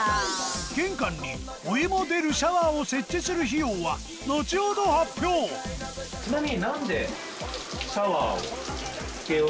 玄関にお湯も出るシャワーを設置する費用は後ほど発表ちなみに。